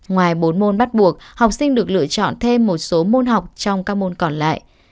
ngoài bốn môn bắt buộc học sinh được lựa chọn thêm một số môn học trong các môn còn lại